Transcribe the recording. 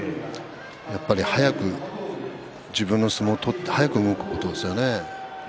やっぱり速く自分の相撲を取って速く動くことですよね。